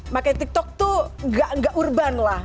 pakai tiktok tuh gak urban lah